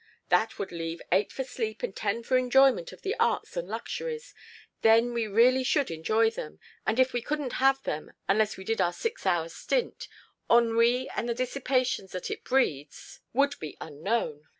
"That would leave eight for sleep and ten for enjoyment of the arts and luxuries. Then we really should enjoy them, and if we couldn't have them unless we did our six hours' stint, ennui and the dissipations that it breeds would be unknown.